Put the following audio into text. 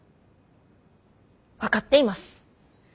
分かっています。